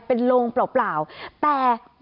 เป็นโรงเปล่าแต่